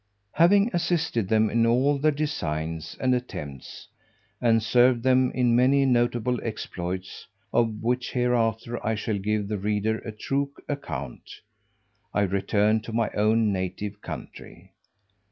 Having assisted them in all their designs and attempts, and served them in many notable exploits (of which hereafter I shall give the reader a true account), I returned to my own native country.